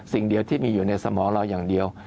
สิ่งเดียวที่มีอยู่ในสมองเราอย่างเดียว